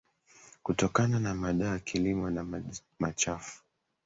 Kutokana na madawa ya kilimo na maji machafu